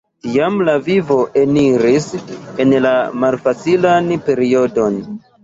Tiam lia vivo eniris en la malfacilan periodon.